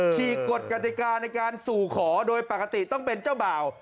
ฉีกกฎกติกาในการสู่ขอโดยปกติต้องเป็นเจ้าบ่าว